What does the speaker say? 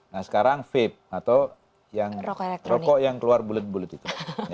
nah sekarang vape atau rokok yang keluar bulut bulet itu